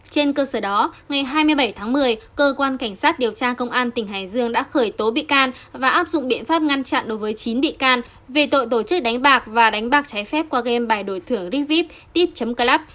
trên cơ sở đó ngày hai mươi bảy tháng một mươi cơ quan cảnh sát điều tra công an tỉnh hải dương đã khởi tố bị can và áp dụng biện pháp ngăn chặn đối với chín bị can về tội tổ chức đánh bạc và đánh bạc trái phép qua game bài đổi thưởng rigviptip club